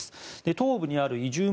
東部にあるイジューム